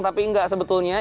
tapi enggak sebetulnya